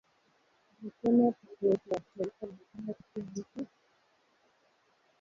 Ilisema pato la taifa la Uganda kwa kila mtu lilifikia takriban dola mia nane arobaini mwaka wa elfu mbili ishirini na moja